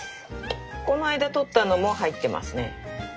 この間採ったのも入ってますね。